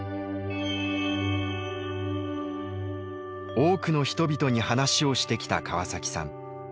多くの人々に話をしてきた川崎さん。